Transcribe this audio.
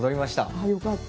ああよかった。